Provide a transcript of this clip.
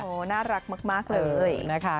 โอ๋น่ารักมากเลย